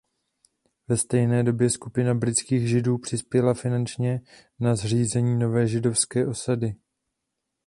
Ve stejné době skupina britských Židů přispěla finančně na zřízení nové židovské osady.